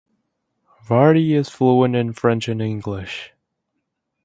Varty is fluent in French and English.